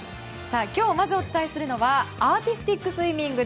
今日、まずお伝えするのはアーティスティックスイミング。